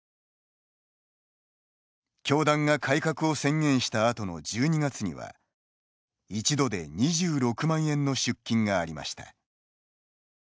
教団が改革を宣言したあとの１２月には、１度で２６万円の出金がありました。